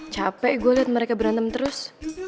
capek gue lihat mereka berantem terus